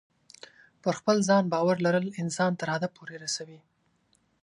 پر خپل ځان باور لرل انسان تر هدف پورې رسوي.